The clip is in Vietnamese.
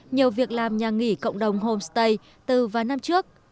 nhờ việc làm nhà nghỉ cộng đồng homestay từ và năm trước